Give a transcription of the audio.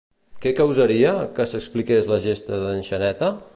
Què causaria, que s'expliqués la gesta d'en Xaneta?